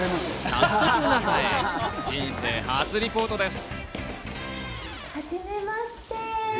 早速、人生初リポートです。